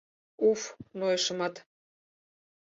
— Уф, нойышымат!..